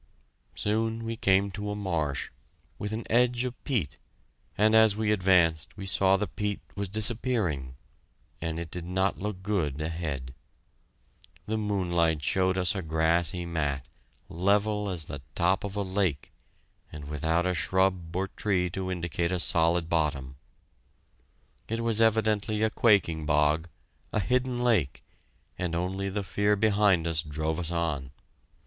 Soon we came to a marsh, with an edge of peat, and as we advanced we saw the peat was disappearing, and it did not look good ahead. The moonlight showed us a grassy mat, level as the top of a lake, and without a shrub or tree to indicate a solid bottom. It was evidently a quaking bog, a hidden lake, and only the fear behind us drove us on.